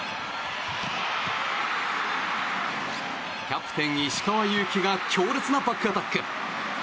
キャプテン、石川祐希が強烈なバックアタック。